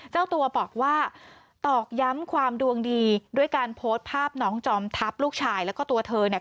เจ้าตัวบอกว่าตอกย้ำความดวงดีด้วยการโพสต์ภาพน้องจอมทัพลูกชายแล้วก็ตัวเธอเนี่ย